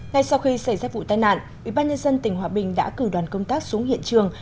ngay sau khi xảy ra vụ tai nạn ubnd tỉnh hòa bình đã cử đoàn công tác xuống hiện trường